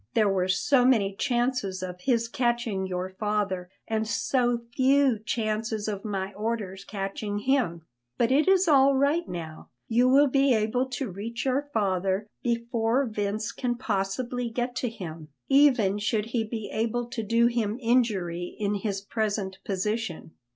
There were so many chances of his catching your father and so few chances of my orders catching him. But it is all right now; you will be able to reach your father before Vince can possibly get to him, even should he be able to do him injury in his present position.